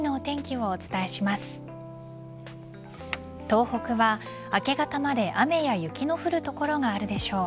東北は明け方まで雨や雪の降る所があるでしょう。